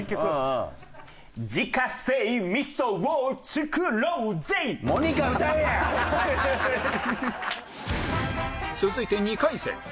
続いて２回戦